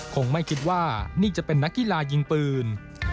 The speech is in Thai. คงไม่คิดว่านี่จะเป็นนักกีฬายิงปืน